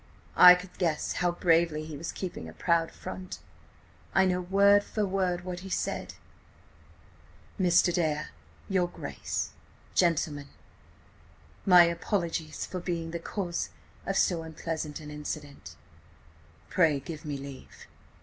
I could guess how bravely he was keeping a proud front. I know word for word what he said: 'Mr. Dare, your Grace, Gentlemen— my apologies for being the cause of so unpleasant an incident. Pray give me leave.'